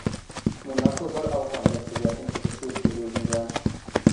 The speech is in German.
Monaco soll auch am Wettbewerb interessiert gewesen sein.